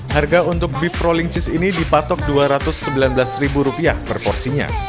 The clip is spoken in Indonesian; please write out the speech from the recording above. harga untuk beef rolling cheese ini dipatok rp dua ratus sembilan belas per porsinya